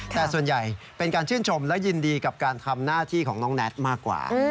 แต่ส่วนใหญ่เป็นการชื่นชมและยินดีกับการทำหน้าที่ของน้องแน็ตมากกว่า